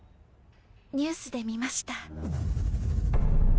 ニュースで見ました。